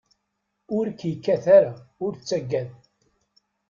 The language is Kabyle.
Ur k-yekkat ara, ur ttaggad.